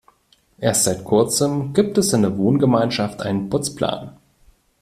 Erst seit Kurzem gibt es in der Wohngemeinschaft einen Putzplan.